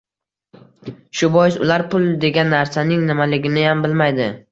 Shu bois ular pul degan narsaning nimaliginiyam bilmaydi